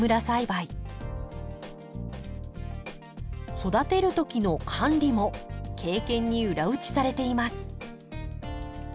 育てる時の管理も経験に裏打ちされています。